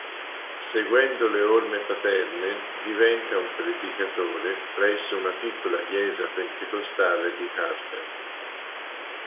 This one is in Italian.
Seguendo le orme paterne diventa un predicatore presso una piccola chiesa pentecostale di Harlem.